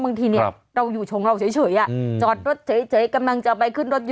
บางทีเราอยู่ชงเราเฉยจอดรถเฉยกำลังจะไปขึ้นรถ